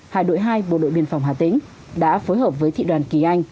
hải đội hai bộ đội biên phòng hà tĩnh đã phối hợp với thị đoàn kỳ anh